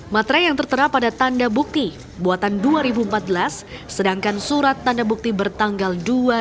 materai yang tertera pada tanda bukti buatan dua ribu empat belas sedangkan surat tanda bukti bertanggal dua ribu dua